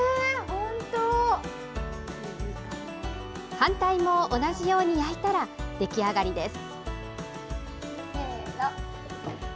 反対も同じように焼いたら出来上がりです。